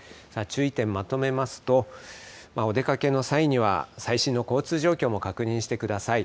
注意点まとめますと、お出かけの際には最新の交通状況も確認してください。